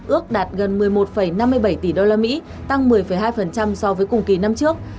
ước đạt gần một mươi một năm mươi bảy tỷ usd tăng một mươi hai so với cùng kỳ năm trước